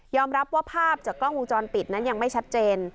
รับว่าภาพจากกล้องวงจรปิดนั้นยังไม่ชัดเจน